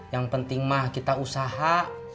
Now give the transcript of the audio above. yang penting mah kita usaha